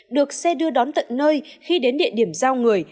được xe đưa đón tận nơi khi đến địa điểm giao người